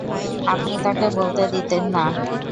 আপনি তাকে বলতে দিন না।